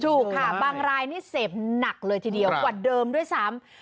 ถูกค่ะบางรายนี่เสพหนักเลยทีเดียวกว่าเดิมด้วยซ้ำ